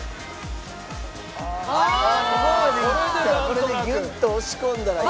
これでギュッと押し込んだら。